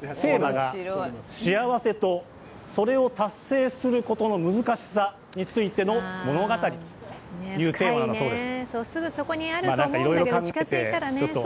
テーマが幸せとそれを達成することの難しさについての物語というテーマなんだそうです。